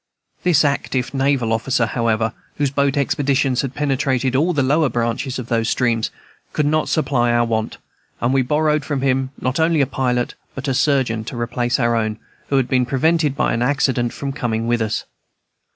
This active naval officer, however, whose boat expeditions had penetrated all the lower branches of those rivers, could supply our want, and we borrowed from him not only a pilot, but a surgeon, to replace our own, who had been prevented by an accident from coming with us.